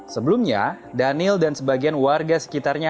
sebelumnya daniel dan sebagian warga sekitarnya